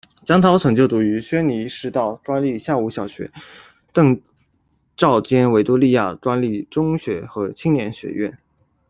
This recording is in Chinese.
姜涛曾就读轩尼诗道官立下午小学、邓肇坚维多利亚官立中学和青年学院。